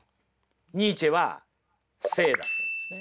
ニーチェは生だって言うんですね。